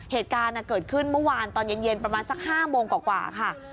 เหตุการณ์เกิดขึ้นเมื่อวานตอนเย็นประมาณสัก๕โมงกว่าค่ะ